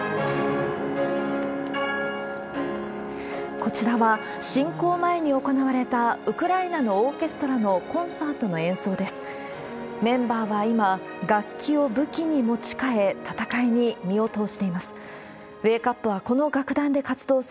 こちらは、侵攻前に行われたウクライナのオーケストラのコンサートの演奏です。